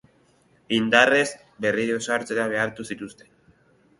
Indarrez, berriro sartzera behartu zituzten.